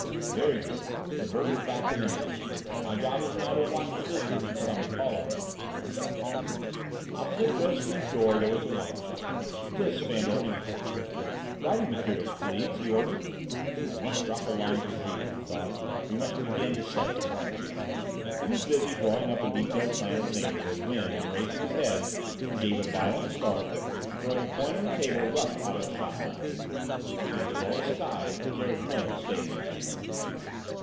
"Very good! The bird is back in the nest: My job is now to watch the visitors who come to call on her." Opposite Josephine's door there was a wine shop. This Fandor entered. "Writing materials, please," he ordered. "I must drop a line to Juve," he thought. "We must begin to set the trap." He was busy drawing up a detailed plan of the neighbourhood when, on raising his head, he gave a violent start, and, throwing a coin on the table, rushed out of the shop. "She is well disguised, but there's no mistaking her!"